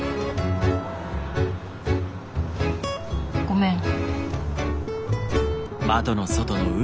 ごめん。